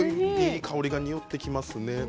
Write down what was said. いい香りが漂ってきますね。